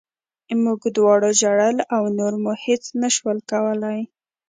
موږ دواړو ژړل او نور مو هېڅ نه شول کولی